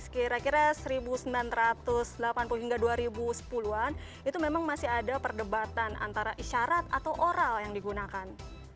kira kira seribu sembilan ratus delapan puluh hingga dua ribu sepuluh an itu memang masih ada perdebatan antara isyarat atau oral yang digunakan